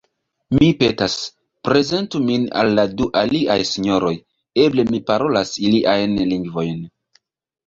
Mi petas: prezentu min al la du aliaj sinjoroj; eble mi parolas iliajn lingvojn.